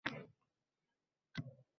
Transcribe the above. tasdiqlangan qaror nusxasi